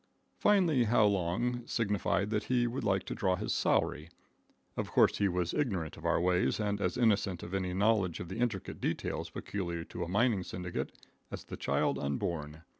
Finally, How Long signified that he would like to draw his salary. Of course he was ignorant of our ways, and as innocent of any knowledge of the intricate details peculiar to a mining syndicate as the child unborn.